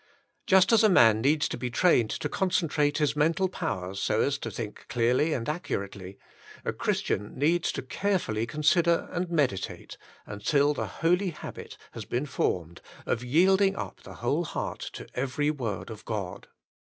Just as a man needs to be trained to concentrate his mental powers so as to think clearly and accu rately, a Christian needs to carefully consider and meditate, until the holy habit has been formed of yielding up the whole heart to every word of God.